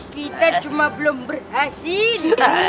kita cuma belum berhasil